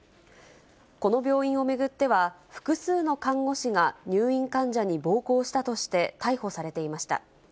この病院を巡っては、複数の看護師が入院患者に暴行したとして逮捕されていました。